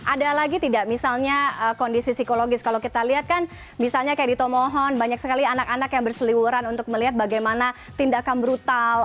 ada lagi tidak misalnya kondisi psikologis kalau kita lihat kan misalnya kayak ditomohon banyak sekali anak anak yang berseliwuran untuk melihat bagaimana tindakan brutal